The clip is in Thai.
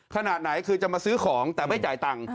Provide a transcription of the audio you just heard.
ขนาดไหนคือจะมาซื้อของแต่ไม่จ่ายตังค์